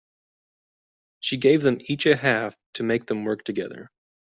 She gave them each a half to make them work together.